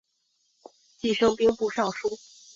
继升兵部尚书。